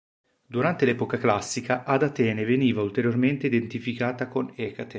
Durante l'epoca classica ad Atene veniva ulteriormente identificata con Ecate.